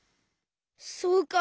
そうか。